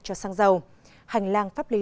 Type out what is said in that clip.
cho xăng dầu hành lang pháp lý